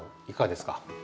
いかがですか？